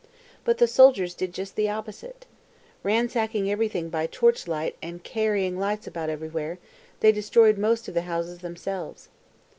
But the soldiers did just the opposite. Ransacking. everything by torch light and carrying lights. about everywhere, they destroyed most of the houses themselves.